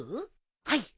はい。